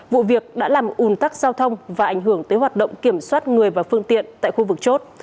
vụ việc đã làm ủn tắc giao thông và ảnh hưởng tới hoạt động kiểm soát người và phương tiện tại khu vực chốt